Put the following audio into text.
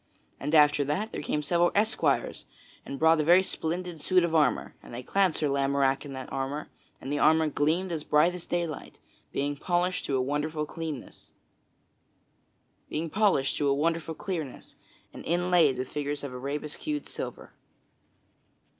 And after that there came several esquires and brought a very splendid suit of armor; and they clad Sir Lamorack in that armor; and the armor gleamed as bright as daylight, being polished to a wonderful clearness, and inlaid with figures of arabesqued silver.